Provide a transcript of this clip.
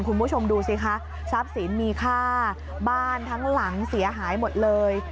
คุณผู้ชมดูสิคะทรัพย์สินมีค่าบ้านทั้งหลังเสียหายหมดเลย